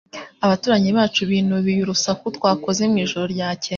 Abaturanyi bacu binubiye urusaku twakoze mu ijoro ryakeye.